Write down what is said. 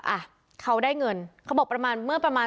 อ่ะเขาได้เงินเขาบอกประมาณเมื่อประมาณ